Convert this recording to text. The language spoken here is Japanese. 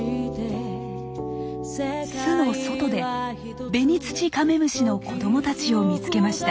巣の外でベニツチカメムシの子どもたちを見つけました。